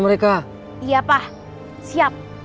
mereka iya pak siap